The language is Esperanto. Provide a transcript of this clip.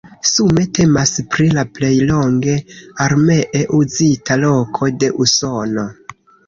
Sume temas pri la plej longe armee uzita loko de Usono.